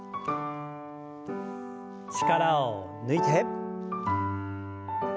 力を抜いて。